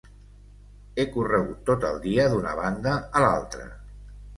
He corregut tot el dia d'una banda a l'altra.